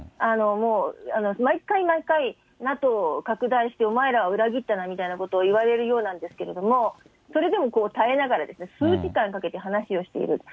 もう毎回毎回、ＮＡＴＯ拡大して、お前らは裏切ったなみたいなことを言われるようなんですけど、それでも耐えながら、数時間かけて話をしている。